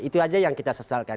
itu aja yang kita sesalkan